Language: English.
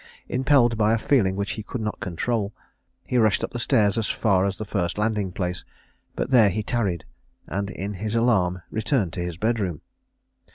Impelled by a feeling which he could not control, he rushed up stairs as far as the first landing place, but there he tarried, and in his alarm returned to his bed room.